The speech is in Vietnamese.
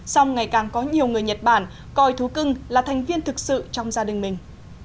song ngày càng có nhiều người nhật bản coi thú cưng là thành viên thực sự trong gia đình mình